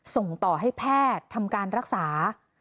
ส่งต่อให้แพทย์ทำการรักษา